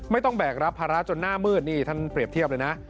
แบกรับภาระจนหน้ามืดนี่ท่านเปรียบเทียบเลยนะ